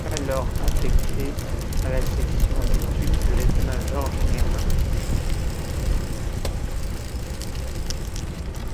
Il fut alors affecté à la section d'études de l'État-Major général.